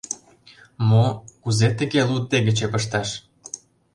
— Мо... кузе туге луддегыче пышташ?